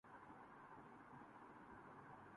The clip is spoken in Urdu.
ان کا خیال ہے کہ تبدیلی ہمیشہ ایک اقلیتی گروہ ہی لاتا ہے۔